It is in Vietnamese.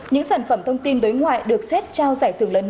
những sản phẩm thông tin đối ngoại được xét trao giải thưởng lần một